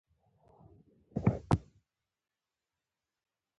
زه دا پاراګراف دلته تاسې ته را نقلوم